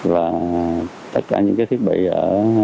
và tất cả những thiết bị ở nhà máy